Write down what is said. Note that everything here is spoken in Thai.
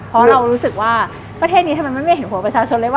เพราะเรารู้สึกว่าประเทศนี้ทำไมมันไม่เห็นหัวประชาชนเลยว